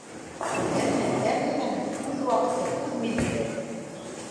Әммә һәр нәмәнең үҙ ваҡыты, үҙ миҙгеле!